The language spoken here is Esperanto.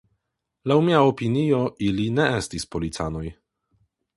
Laŭ mia opinio ili ne estis policanoj.